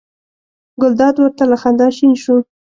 ګلداد ور ته له خندا شین شو.